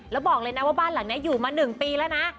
แล้วบอกเลยนะว่าบ้านหลังนี้อยู่มา๑ปีแล้วนะ